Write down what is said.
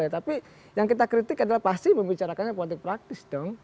tapi yang kita kritik adalah pasti membicarakannya politik praktis dong